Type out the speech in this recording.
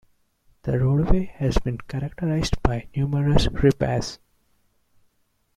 The roadway has been characterized by numerous repairs.